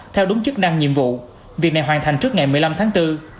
theo đúng chức năng nhiệm vụ việc này hoàn thành trước ngày một mươi năm tháng bốn